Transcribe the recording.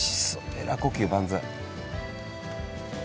えら呼吸万歳。